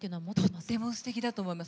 とてもすてきだと思います。